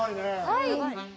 はい。